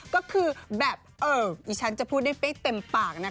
ก็คือแบบเออดิฉันจะพูดได้ไม่เต็มปากนะคะ